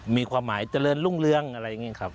มีความหมายเจริญรุ่งเรืองอะไรอย่างนี้ครับ